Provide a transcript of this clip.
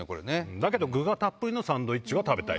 だけど具がたっぷりのサンドイッチが食べたい。